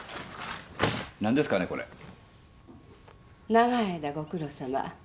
長い間ご苦労さま。